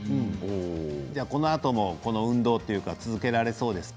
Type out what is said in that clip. このあともこの運動というか続けられそうですか？